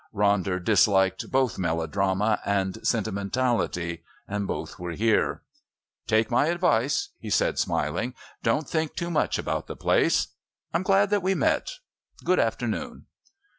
Ronder disliked both melodrama and sentimentality. Both were here. "Take my advice," he said smiling. "Don't think too much about the place...I'm glad that we met. Good afternoon."